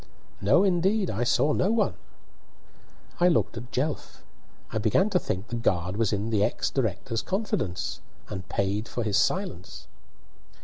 "No, indeed; I saw no one." I looked at Jelf. I began to think the guard was in the ex director's confidence, and paid for his silence.